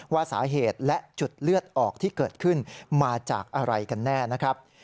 ว่าสาเหตุและจุดเลือดออกที่เกิดขึ้นมาจากอะไรกันแน่นะครับ